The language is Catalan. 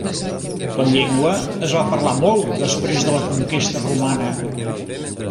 La llengua es va parlar molt després de la conquesta romana.